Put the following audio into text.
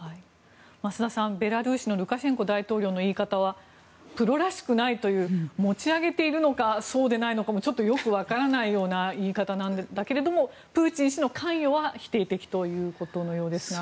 増田さん、ベラルーシのルカシェンコ大統領の言い方はプロらしくないという持ち上げているのかそうでないのかもよく分からないような言い方なんだけれどもプーチン氏の関与は否定的ということですが。